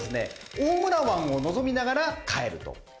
大村湾を望みながら帰るという。